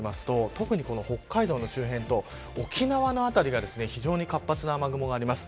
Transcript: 特に北海道の周辺と沖縄の辺りが非常に活発な雨雲があります。